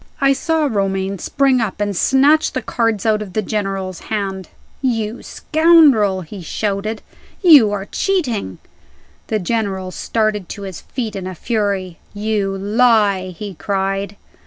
I saw Romayne spring up, and snatch the cards out of the General's hand. "You scoundrel!" he shouted, "you are cheating!" The General started to his feet in a fury. "You lie!" he cried.